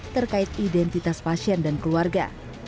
terkait identitas pasien dan keluarga